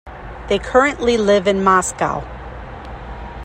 They currently live in Moscow.